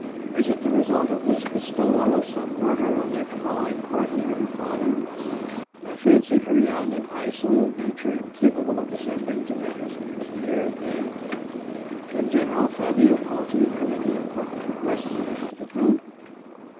Is it the result of the bestowal of some order on that crawling cour tier, her father ? I fancied her young and high souled nature incapable of descending to matters of pecuniary gain. Can General Fabio Conti have any important request to make to the count